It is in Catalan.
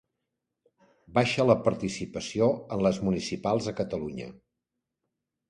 Baixa la participació en les municipals a Catalunya